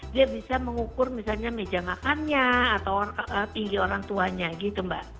dia bisa mengukur misalnya meja makannya atau tinggi orang tuanya gitu mbak